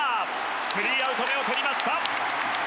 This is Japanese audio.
スリーアウト目をとりました。